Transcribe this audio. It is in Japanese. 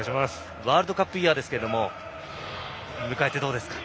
ワールドカップイヤーですが迎えて、どうですか？